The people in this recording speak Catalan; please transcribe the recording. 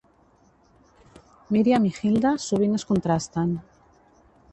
Miriam i Hilda sovint es contrasten.